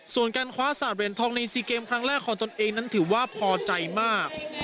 ส่วนการคว้า๓เหรียญทองใน๔เกมครั้งแรกของตนเองนั้นถือว่าพอใจมาก